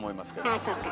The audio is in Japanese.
ああそうか。